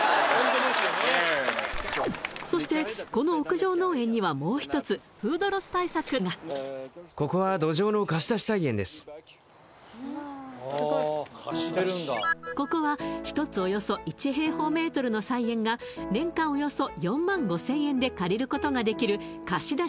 そしてこの屋上農園にはもう一つフードロス対策がここは１つおよそ１平方ｍの菜園が年間およそ４５０００円で借りることができる貸出